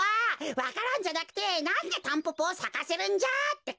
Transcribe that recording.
わか蘭じゃなくてなんでタンポポをさかせるんじゃってか。